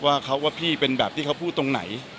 ว่าพี่เป็นแบบที่เขาพูดตรงไหน